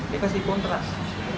dia kasih kontras